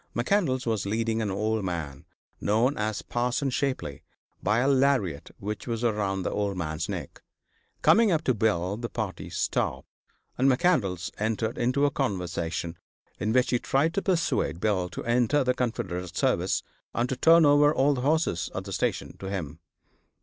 McCandlas was leading an old man, known as Parson Shapley, by a lariat which was around the old man's neck. Coming up to Bill the party stopped, and McCandlas entered into a conversation, in which he tried to persuade Bill to enter the Confederate service and to turn over all the horses at the station to him.